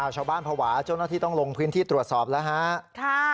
ชะวบ้านพาวาที่ต้องลงพื้นที่ตรวจสอบแล้วฮะ